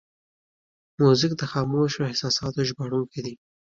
موزیک د خاموشو احساساتو ژباړونکی دی.